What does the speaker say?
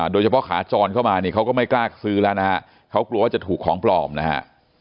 โดยเฉพาะขาจรเข้ามาเนี่ยเขาก็ไม่กล้าซื้อแล้วนะฮะเขากลัวว่าจะถูกของปลอมนะฮะ